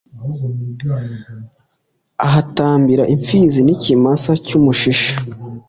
ahatambira impfizi n’ikimasa cy’umushishe.